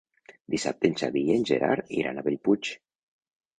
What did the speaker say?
Dissabte en Xavi i en Gerard iran a Bellpuig.